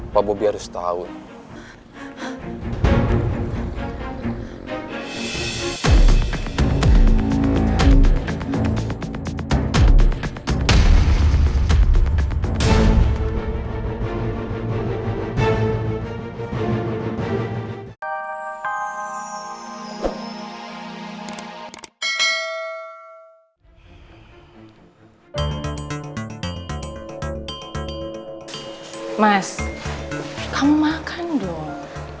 kamu makan dong